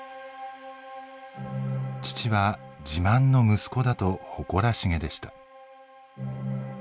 父は「自慢の息子だ」と誇らしげでした。